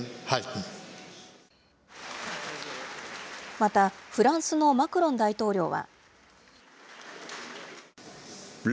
また、フランスのマクロン大統領は。